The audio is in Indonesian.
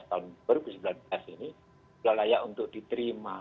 tidak layak untuk diterima